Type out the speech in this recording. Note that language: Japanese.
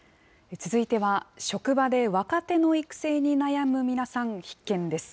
続いては、職場で若手の育成に悩む皆さん必見です。